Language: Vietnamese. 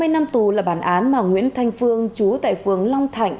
hai mươi năm tù là bản án mà nguyễn thanh phương chú tại phường long thạnh